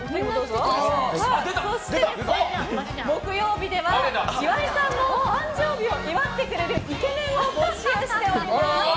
そして、木曜日では岩井さんの誕生日を祝ってくれるイケメンを募集しております。